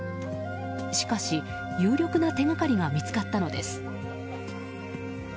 しかし、有力な手掛かりが見つかったのです。